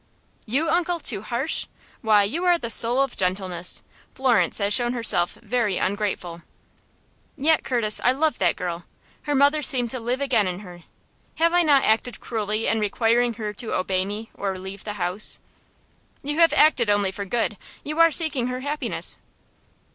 "You, uncle, too harsh! Why, you are the soul of gentleness. Florence has shown herself very ungrateful." "Yet, Curtis, I love that girl. Her mother seemed to live again in her. Have I not acted cruelly in requiring her to obey me or leave the house?" "You have acted only for good. You are seeking her happiness."